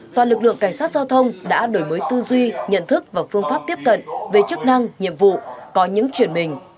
toàn lực lượng cảnh sát giao thông đã đổi mới tư duy nhận thức và phương pháp tiếp cận về chức năng nhiệm vụ có những chuyển mình